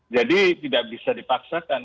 jadi tidak bisa dipaksakan